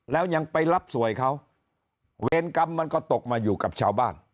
แล้วยังไปรับสวยเขาเวรกรรมมันก็ตกมาอยู่กับชาวบ้าน